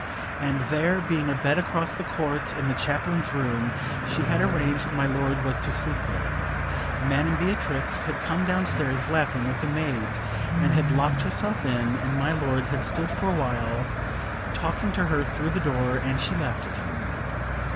And there being a bed across the court in the Chaplain's room, she had arranged my lord was to sleep there. Madam Beatrix had come down stairs laughing with the maids, and had locked herself in, and my lord had stood for a while talking to her through the door, and she laughing at him.